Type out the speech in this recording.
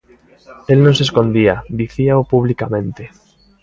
El non se escondía, dicíao publicamente.